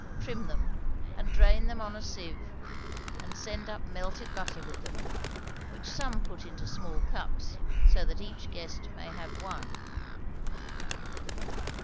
Trim them and drain them on a sieve, and send up melted butter with them, which some put into small cups, so that each guest may have one.